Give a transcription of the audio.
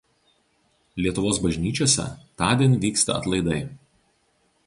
Lietuvos bažnyčiose tądien vyksta atlaidai.